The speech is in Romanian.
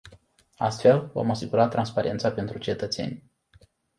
Astfel, vom asigura transparența pentru cetățeni.